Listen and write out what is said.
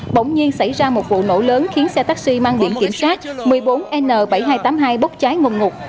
bỗng nhiên xảy ra một vụ nổ lớn khiến xe taxi mang biển kiểm soát một mươi bốn n bảy nghìn hai trăm tám mươi hai bốc cháy ngần ngục